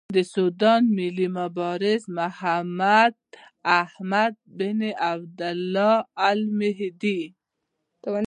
د سوډان ملي مبارز محمداحمد ابن عبدالله المهدي.